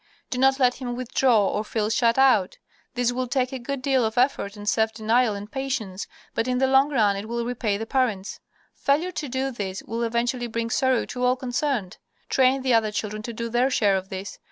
Do not let him withdraw or feel shut out. This will take a good deal of effort and self denial and patience, but in the long run it will repay the parents. Failure to do this will eventually bring sorrow to all concerned. Train the other children to do their share of this.